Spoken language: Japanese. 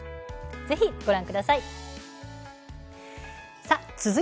ぜひ、ご覧ください。